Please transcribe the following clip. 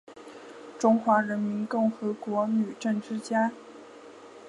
中华人民共和国女政治家。